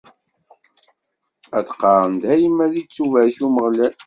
Ad qqaren dayem: ad ittubarek Umeɣlal.